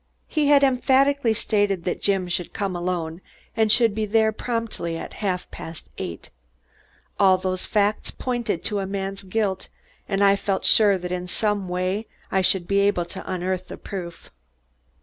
He had emphatically stated that Jim should come alone and should be there promptly at half past eight. All those facts pointed to the man's guilt and I felt sure that in some way I should be able to unearth the proof.